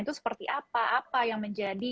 itu seperti apa apa yang menjadi